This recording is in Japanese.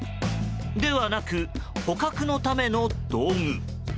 ではなく、捕獲のための道具。